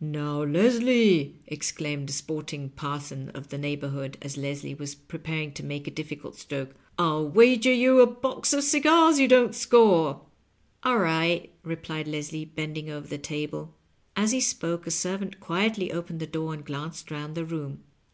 "Now, Leslie," exclaimed a sporting parson of the neighborhood, as LesHe was preparing to make a diffi cult stroke, "I'll wager yon a box of cigars you don't score." . "All right," replied Leslie, bending over the table. As he spoke a servant quietly opened the door and glanced round the room.